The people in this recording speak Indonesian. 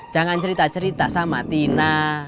jangan cerita cerita sama tina